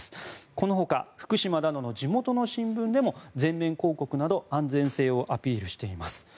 このほか福島などの地元の新聞でも全面広告など安全性をアピールしています。